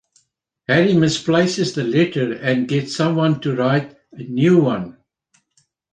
Hari misplaces the letter and gets someone to write a new one.